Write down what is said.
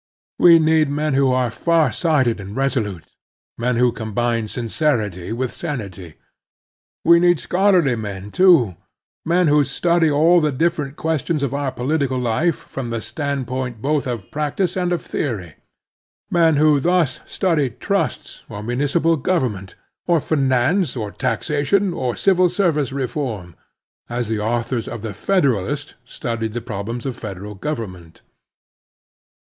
We need men who are far sighted and resolute ; men who combine sincerity with sanity. We need scholarly men, too — ^men who study all the diffi cult questions of our poUtical life from the stand point both of practice and of theory; men who thus study trusts, or mimicipal government, or finance, or taxation, or civil service reform, as the authors of the FederaUst" studied the problems of federal government.